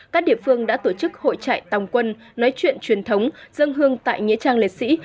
các địa phương đã tổ chức hội trại tòng quân nói chuyện truyền thống dân hương tại nghĩa trang liệt sĩ